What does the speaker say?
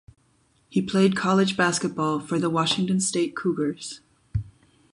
He played college basketball for the Washington State Cougars.